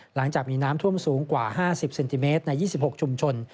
หลังจากมีน้ำท่วมสูงกว่า๕๐เซนติเมตรใน๒๖ชุมชน